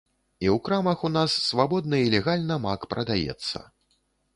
І ў крамах у нас свабодна і легальна мак прадаецца.